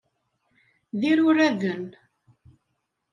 D iruraden.